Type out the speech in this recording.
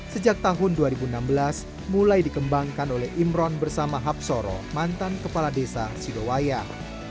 sejak tahun dua ribu enam belas mulai dikembangkan oleh imron bersama hapsoro mantan kepala desa sidowayah